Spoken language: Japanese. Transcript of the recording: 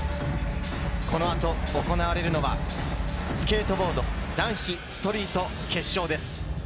この後、行われるのがスケートボード男子ストリート決勝です。